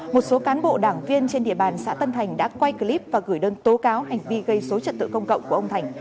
một số cán bộ đảng viên trên địa bàn xã tân thành đã quay clip và gửi đơn tố cáo hành vi gây số trật tự công cộng của ông thành